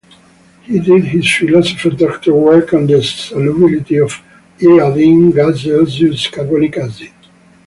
He did his Ph.D. work on the solubility of iodine gaseous carbonic acid.